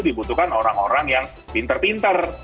dibutuhkan orang orang yang pinter pinter